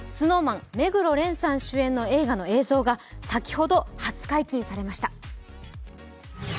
ＳｎｏｗＭａｎ・目黒蓮さん主演の映画の映像が先ほど初解禁されました。